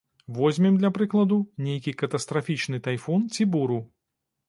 Возьмем, для прыкладу, нейкі катастрафічны тайфун ці буру.